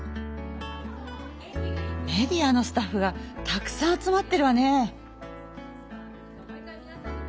メディアのスタッフがたくさん集まってるわね！